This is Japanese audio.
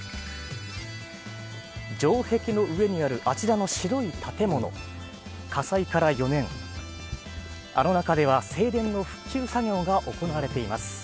城壁の上にある、あちらの白い建物、火災から４年、あの中では、正殿の復旧作業が行われています。